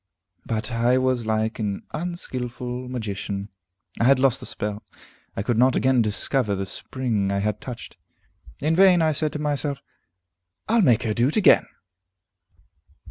But I was like an unskilful magician; I had lost the spell; I could not again discover the spring I had touched. In vain I said to myself, "I'll make her do it again!"